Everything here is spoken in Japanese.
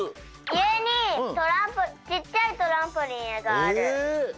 いえにちっちゃいトランポリンがある。